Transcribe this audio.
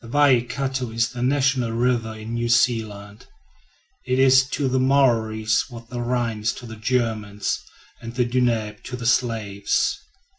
The Waikato is the national river in New Zealand. It is to the Maories what the Rhine is to the Germans, and the Danube to the Slavs.